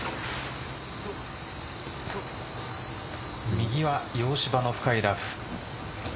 右は洋芝の深いラフ。